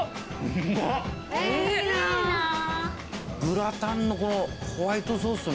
グラタンのこの。